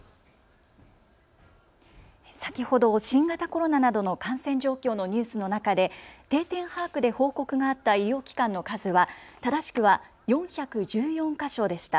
先ほど新型コロナなどの感染状況のニュースの中で定点把握で報告があった医療機関の数は正しくは４１４か所でした。